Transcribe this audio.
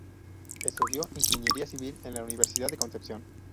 Estudió Ingeniería Civil en la Universidad de Concepción.